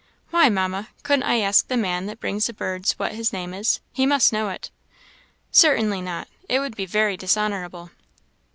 "Why, Mamma, couldn't I ask the man that brings the birds what his name is? He must know it." "Certainly not; it would be very dishonourable."